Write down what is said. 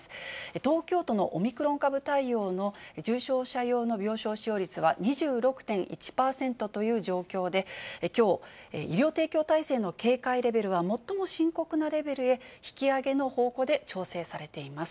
東京都のオミクロン株対応の重症者用の病床使用率は２６．１％という状況で、きょう、医療提供体制の警戒レベルは最も深刻なレベルへ引き上げの方向で調整されています。